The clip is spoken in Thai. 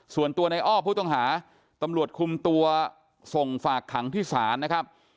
ส่วนตัวในอ้อผู้ต้องหาตำรวจคุมตัวส่งฝากขังที่ศาลนะครับ